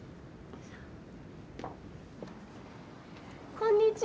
こんにちは。